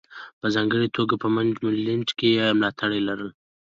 په ځانګړې توګه په منډلینډ کې یې ملاتړي لرل.